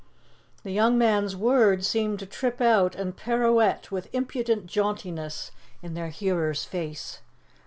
The young man's words seemed to trip out and pirouette with impudent jauntiness in their hearer's face.